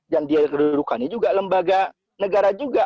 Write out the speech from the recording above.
dan kedudukannya juga lembaga negara juga